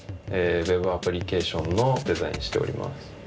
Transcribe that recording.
ＷＥＢアプリケーションのデザインしております。